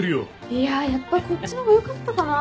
いややっぱこっちの方がよかったかな。